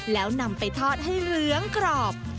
แล้วนำไปทอดให้เหลืองกรอบ